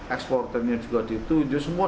ekspor ini juga ditunjuk semua